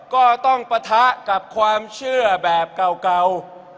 ก็ต้องปะทะกับความเชื่อแบบเก่า